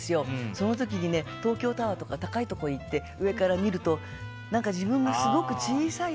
その時にね、東京タワーとか高いところに行って上から見ると自分がすごく小さい。